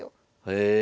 へえ。